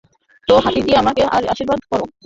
তোর হাতি দিয়ে আমাকে আশীর্বাদ কর।